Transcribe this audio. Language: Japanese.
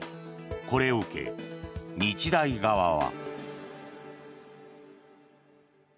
これを受け、日大側は。